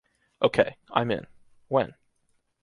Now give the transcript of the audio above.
Ok, I’m in. When?